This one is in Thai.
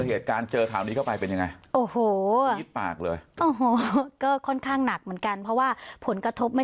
เจอเหตุการณ์เจอคราวนี้เข้าไปเป็นยังไง